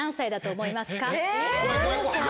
え！